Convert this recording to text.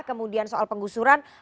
kemudian soal penggusuran